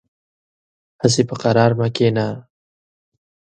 هسې په قرار مه کېنه .